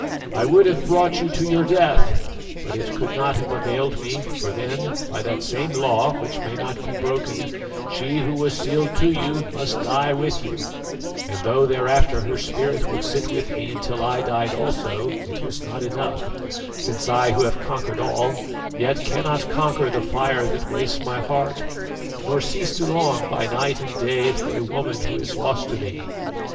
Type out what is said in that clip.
I would have brought you to your death, but it could not have availed me: for then, by that same law, which may not be broken, she who was sealed to you must die with you; and though thereafter her spirit would sit with me till I died also, it was not enough, since I who have conquered all, yet cannot conquer the fire that wastes my heart, nor cease to long by night and day for a woman who is lost to me.